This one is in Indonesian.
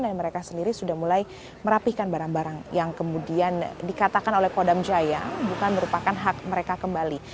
dan mereka sendiri sudah mulai merapihkan barang barang yang kemudian dikatakan oleh kodam jaya bukan merupakan hak mereka kembali